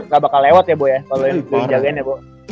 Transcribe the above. ga bakal lewat ya bo ya kalo lu yang diri jagain ya bo